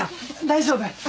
大丈夫？